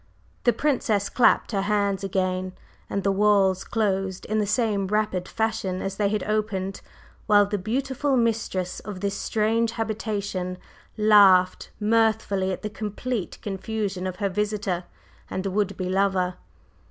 The Princess clapped her hands again, and the walls closed in the same rapid fashion as they had opened, while the beautiful mistress of this strange habitation laughed mirthfully at the complete confusion of her visitor and would be lover.